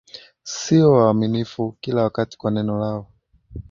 sio waaminifu kila wakati kwa neno lao